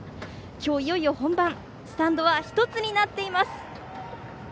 今日いよいよ本番スタンドは１つになっています。